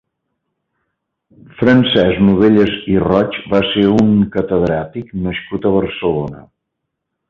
Francesc Novellas i Roig va ser un catedràtic nascut a Barcelona.